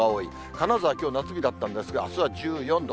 金沢、きょう夏日だったんですが、あすは１４度。